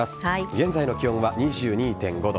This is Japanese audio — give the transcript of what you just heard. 現在の気温は２２．５度。